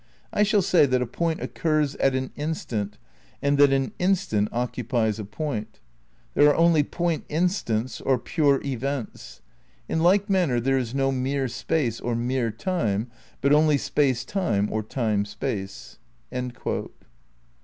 I shall say that a point occurs at an instant and that an instant oc cupies a point. There are only point instants or pure events. In like manner there is no mere Space or mere Time, but only Space Time or Time Space."'